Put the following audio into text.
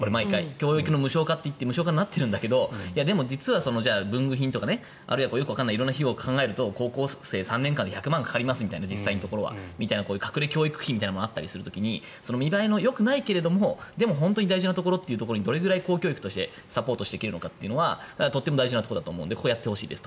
教育の無償化って言って無償化になってるんだけど実は文具品とかよくわからない色んな費用を考えると高校生３年間で実際は１００万円かかりますみたいな隠れ教育費みたいなものがあったりする時に見栄えはよくないけれどもでも本当に大事なところにどれだけ公教育としてサポートしていけるのかはとても大事なところだと思うのでやってほしい。